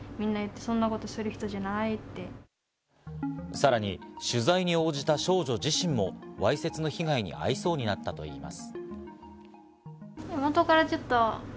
さらに取材に応じた少女自身もわいせつの被害に遭いそうになったといいます。